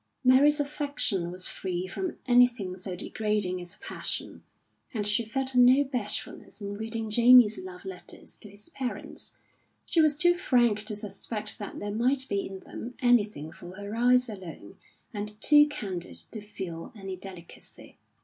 Mary's affection was free from anything so degrading as passion, and she felt no bashfulness in reading Jamie's love letters to his parents; she was too frank to suspect that there might be in them anything for her eyes alone, and too candid to feel any delicacy.